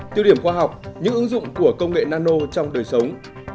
tiêu điểm khoa học những ứng dụng của công nghệ nano trong đời sống